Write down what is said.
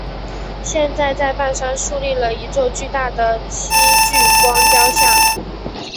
现在在半山竖立了一座巨大的戚继光雕像。